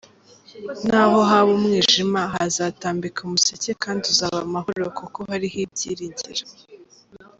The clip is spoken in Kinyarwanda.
N’aho haba umwijima hazatambika umuseke kandi uzaba amahoro kuko hariho ibyiringiro.